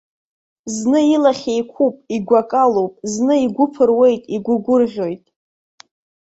Зны илахь еиқәуп, игәы акы алоуп, зны игәы ԥыруеит, игәы гәырӷьоит.